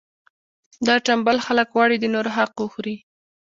دا ټنبل خلک غواړي د نورو حق وخوري.